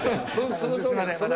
そのとおりなんですよ。